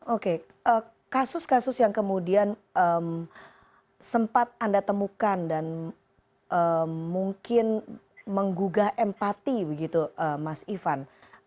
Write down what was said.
oke kasus kasus yang kemudian sempat anda temukan dan mungkin menggugah empati begitu mas ivan